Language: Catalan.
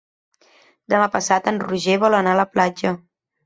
Demà passat en Roger vol anar a la platja.